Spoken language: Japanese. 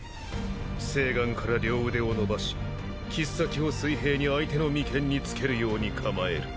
正眼から両腕を伸ばし切っ先を水平に相手の眉間につけるように構える。